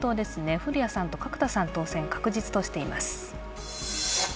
古屋さんと角田さん当選確実としています。